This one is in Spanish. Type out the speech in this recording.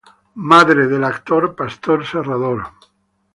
Madre del actor Pastor Serrador.